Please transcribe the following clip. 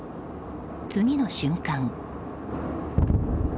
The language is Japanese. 次の瞬間。